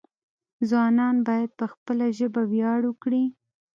ځوانان باید په خپله ژبه ویاړ وکړي.